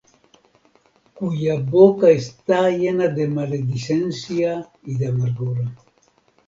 Cuya boca está llena de maledicencia y de amargura;